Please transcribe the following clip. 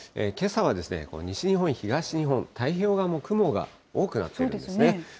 けさは西日本、東日本、太平洋側も雲が多くなっているんですね。